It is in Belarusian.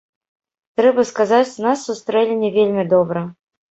Трэба сказаць, нас сустрэлі не вельмі добра.